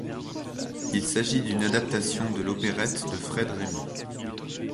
Il s'agit d'une adaptation de l'opérette de Fred Raymond.